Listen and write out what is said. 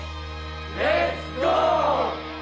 レッツゴー！